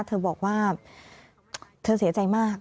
เธอบอกว่าเธอเสียใจมาก